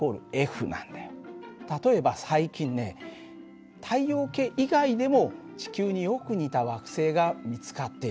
例えば最近ね太陽系以外でも地球によく似た惑星が見つかっている。